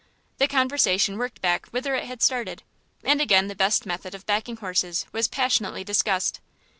The conversation worked back whither it had started, and again the best method of backing horses was passionately discussed.